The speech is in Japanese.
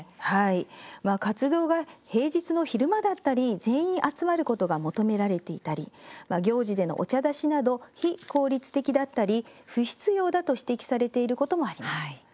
活動が平日の昼間だったり全員集まることが求められていたり行事でのお茶出しなど非効率的だったり、不必要だと指摘されていることもあります。